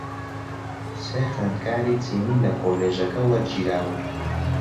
سێ خوێندکاری چینی لە کۆلیژەکە وەرگیراون.